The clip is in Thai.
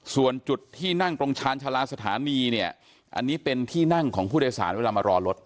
ส่วนจุดที่นั่งตรงชาญชาลาสถานีเนี่ยอันนี้เป็นที่นั่งของผู้โดยสารเวลามารอรถ